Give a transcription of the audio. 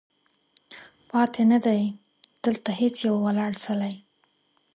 پاتې نه دی، دلته هیڅ یو ولاړ څلی